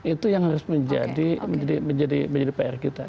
itu yang harus menjadi pr kita